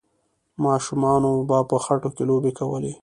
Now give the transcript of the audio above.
ماشومانو به په خټو کې لوبې کولې.